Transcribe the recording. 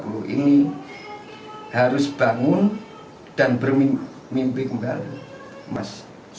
anak dua puluh ini harus bangun dan bermimpi kembali